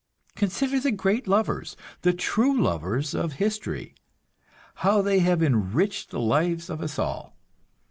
Consider the great lovers, the true lovers, of history how they have enriched the lives of us all.